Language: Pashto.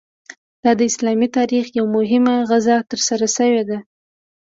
دا د اسلامي تاریخ یوه مهمه غزا ترسره شوې ده.